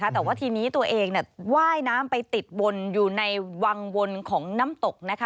แต่ว่าทีนี้ตัวเองว่ายน้ำไปติดวนอยู่ในวังวนของน้ำตก